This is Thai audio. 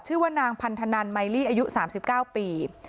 ชื่อว่านางพันธนันไมลี่อายุสามสิบเก้าปี